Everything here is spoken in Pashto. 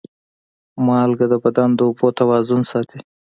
مالګه د بدن د اوبو توازن ساتي.